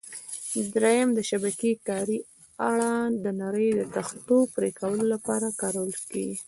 درېیم: د شبکې کارۍ اره: د نرۍ تختو پرېکولو لپاره کارول کېږي.